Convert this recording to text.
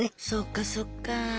そっかそっか。